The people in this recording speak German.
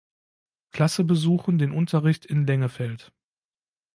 Klasse besuchen den Unterricht in Lengefeld.